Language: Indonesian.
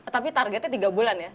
tapi targetnya tiga bulan ya